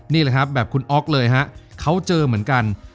นี่แหละครับแบบคุณอ๊อกเลยฮะเขาเจอเหมือนกัน